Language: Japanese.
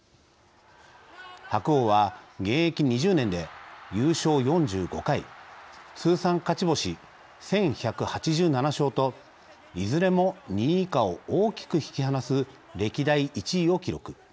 白鵬は、現役２０年で優勝４５回通算勝ち星１１８７勝といずれも２位以下を大きく引き離す歴代１位を記録。